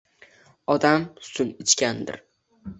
Odamsutin ichgandir.